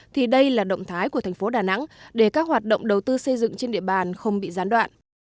thì đây là động thái của thành phố đà nẵng để các hoạt động đầu tư xây dựng trên địa bàn không bị gián đoạn